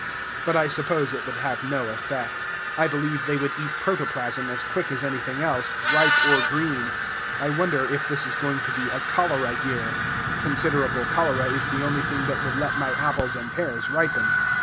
But I suppose it would have no effect. I believe they would eat protoplasm as quick as anything else, ripe or green. I wonder if this is going to be a cholera year. Considerable cholera is the only thing that would let my apples and pears ripen.